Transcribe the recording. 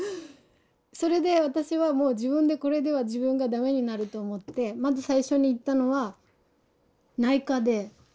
それで私はもう自分でこれでは自分がダメになると思ってまず最初に行ったのは内科で。